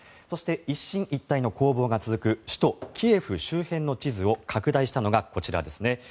そして、一進一退の攻防が続く首都キエフ周辺の地図を拡大したのがこちらですね。